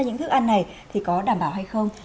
những thức ăn này thì có đảm bảo hay không